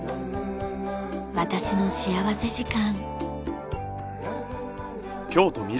『私の幸福時間』。